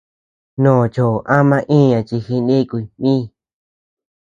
Mnoo choʼo ama iña chi jinikuy mï.